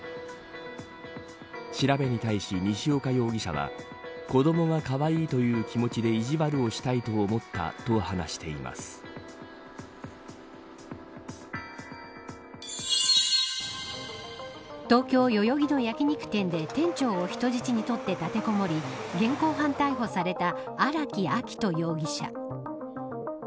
調べに対し、西岡容疑者は子どもがかわいいという気持ちで意地悪をしたいと思ったと東京、代々木の焼き肉店で店長を人質にとって立てこもり現行犯逮捕された荒木秋冬容疑者。